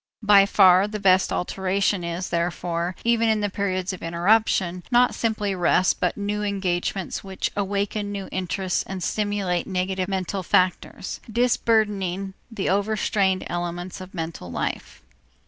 By far the best alteration is, therefore, even in the periods of interruption, not simply rest but new engagements which awaken new interests and stimulate neglected mental factors, disburdening the over strained elements of mental life.